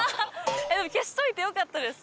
でも消しといてよかったです。